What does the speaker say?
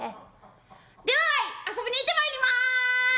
では遊びに行ってまいります」。